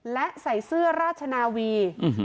และใส่เสื้อราชนาวี